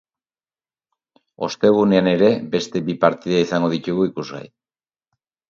Ostegunean ere, beste bi partida izango ditugu ikusgai.